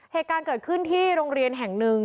เหตุการณ์เกิดขึ้นที่โรงเรียนแห่งหนึ่ง